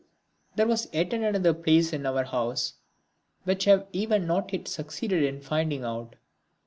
There was yet another place in our house which I have even yet not succeeded in finding out.